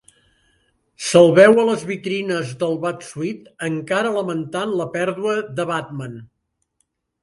S'el veu a les vitrines del Bat-Suit, encara lamentant la pèrdua de Batman.